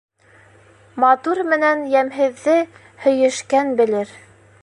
Матур менән йәмһеҙҙе һөйөшкән белер.